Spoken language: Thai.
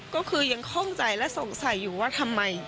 ก็คือยังคล่องใจและสงสัยอยู่ว่าทำไม